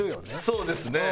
そうですね。